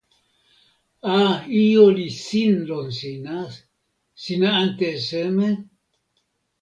a, ijo li sin lon sina. sina ante e seme?